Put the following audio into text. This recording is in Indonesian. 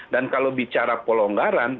dan kalau bicara pelonggaran